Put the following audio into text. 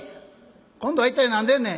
「今度は一体何でんねん？」。